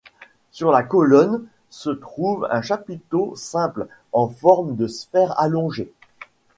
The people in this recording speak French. Sur la colonne se trouve un chapiteau simple, en forme de sphère allongée.